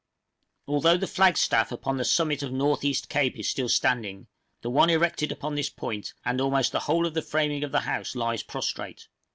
Although the flag staff upon the summit of North East Cape is still standing, the one erected upon this point and almost the whole of the framing of the house lies prostrate.